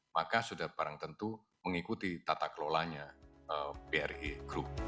maka sudah barang tentu mengikuti tata kelolanya bri group